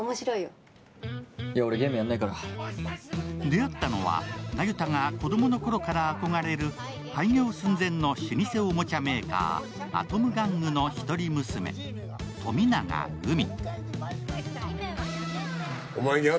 出会ったのは那由他が子供のころから憧れる廃業寸前の老舗おもちゃメーカーアトム玩具の一人娘・富永海。